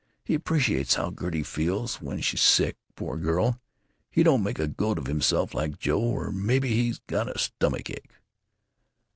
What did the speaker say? He appreciates how Gertie feels when she's sick, poor girl. He don't make a goat of himself, like Joe.... Or maybe he's got a stomach ache."